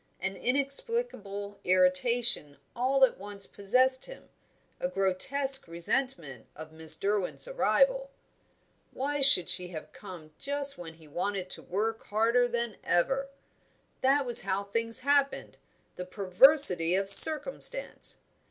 An inexplicable irritation all at once possessed him; a grotesque resentment of Miss Derwent's arrival. Why should she have come just when he wanted to work harder than ever? That was how things happened the perversity of circumstance!